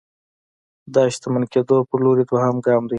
دا د شتمن کېدو پر لور دویم ګام دی